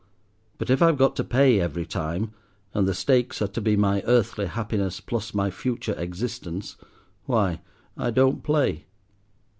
But if I've got to pay every time, and the stakes are to be my earthly happiness plus my future existence—why, I don't play.